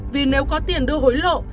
vì nếu có tiền đưa hối lộ